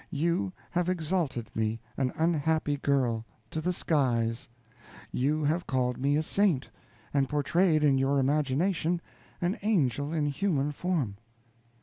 You have exalted me, an unhappy girl, to the skies; you have called me a saint, and portrayed in your imagination an angel in human form.